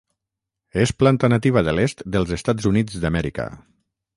És planta nativa de l'est dels Estats Units d'Amèrica.